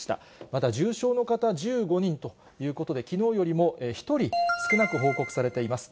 また重症の方、１５人ということで、きのうよりも１人少なく報告されています。